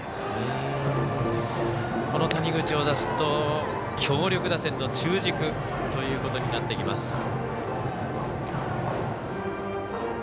この谷口を出すと、強力打線の中軸ということになってきます。